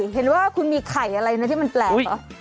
เห็นว่าคุณมีไข่อะไรนะที่มันแปลกเหรอ